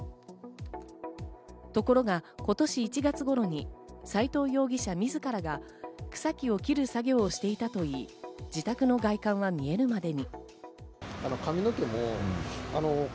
ところが今年１月頃に斎藤容疑者自らが草木を切る作業をしていたといい、自宅の外観は見えるまでに。